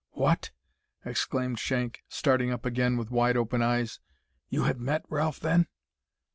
"What!" exclaimed Shank, starting up again with wide open eyes; "you have met Ralph, then?"